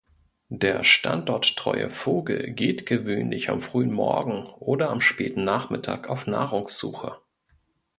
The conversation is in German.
Der standorttreue Vogel geht gewöhnlich am frühen Morgen oder am späten Nachmittag auf Nahrungssuche.